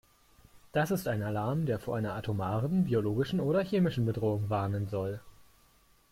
Das ist ein Alarm, der vor einer atomaren, biologischen oder chemischen Bedrohung warnen soll.